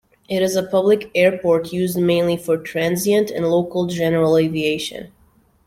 It is a public airport used mainly for transient and local general aviation.